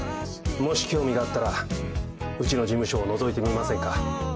もし興味があったらうちの事務所をのぞいてみませんか？